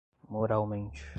moralmente